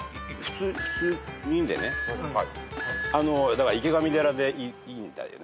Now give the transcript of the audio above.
だからいけがみ寺でいいんだよね